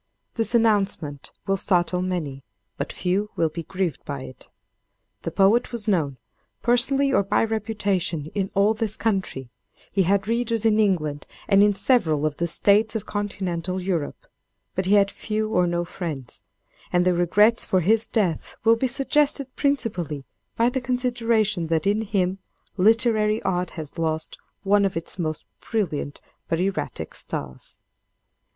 This announcement will startle many, but few will be grieved by it. The poet was known, personally or by reputation, in all this country; he had readers in England and in several of the states of Continental Europe; but he had few or no friends; and the regrets for his death will be suggested principally by the consideration that in him literary art has lost one of its most brilliant but erratic stars.